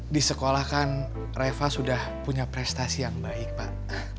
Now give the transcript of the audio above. di sekolah kan reva sudah punya prestasi yang baik pak